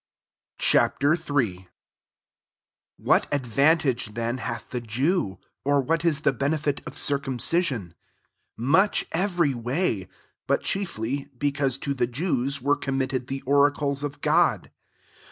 Ch. III. 1 " What adYan tage then hath the Jew? or what t« the benefit of circumci sion ?" 2 " Much every way ; but chiefly, because to the Jewi were committed the oracles of God.